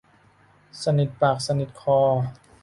สนิทปากสนิทคอ